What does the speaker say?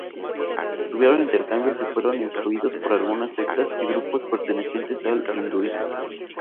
Tuvieron intercambios y fueron influidos por algunas sectas y grupos pertenecientes al hinduismo.